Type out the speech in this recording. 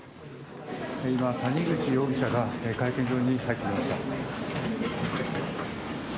今、谷口容疑者が会見場に入ってきました。